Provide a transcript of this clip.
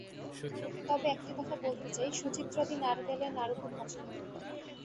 তবে একটি কথা বলতে চাই, সুচিত্রাদি নারকেলের নাড়ু খুব পছন্দ করতেন।